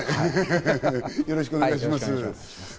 よろしくお願いします。